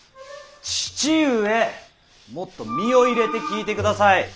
父上もっと身を入れて聞いてください。